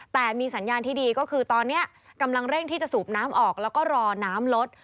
แต่มีสัญญาณที่ดีก็คือตอนนี้กำลังเร่งที่จะสูบน้ำออกแล้วก็รอน้ำลด